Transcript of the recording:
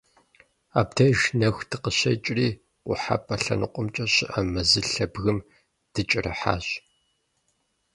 Абдеж нэху дыкъыщекIри, къухьэпIэ лъэныкъуэмкIэ щыIэ мэзылъэ бгым дыкIэрыхьащ.